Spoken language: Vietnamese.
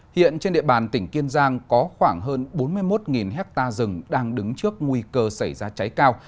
hiện trên địa bàn tỉnh kiên giang có khoảng hơn bốn mươi một hectare rừng đang đứng trước nguy cơ xảy ra cháy cao